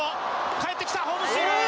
かえってきたホームスチール！